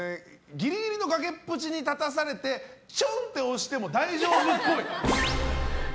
ギリギリの崖っぷちに立たされてちょんって押しても大丈夫っぽい。